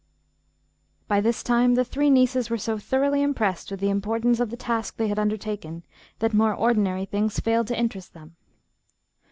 By this time the three nieces were so thoroughly impressed with the importance of the task they had undertaken that more ordinary things failed to interest them.